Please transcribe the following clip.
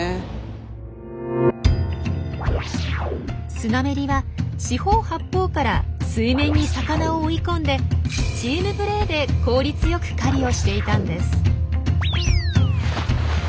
スナメリは四方八方から水面に魚を追い込んでチームプレーで効率よく狩りをしていたんです。